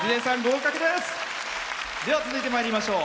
続いてまいりましょう。